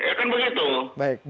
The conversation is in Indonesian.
ya kan begitu